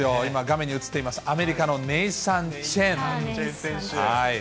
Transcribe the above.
今画面に映ってました、アメリカのネイサン・チェン選手。